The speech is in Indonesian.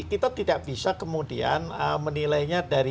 kita tidak bisa kemudian menilainya dari